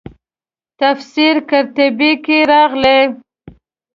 تفسیر قرطبي کې راغلي.